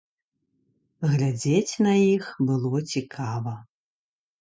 Глядзець на іх было цікава.